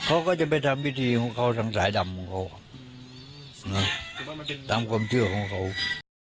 เขาก็จะไปทำพิธีของเขาทางสายดำของเขานะตามความเชื่อของเขา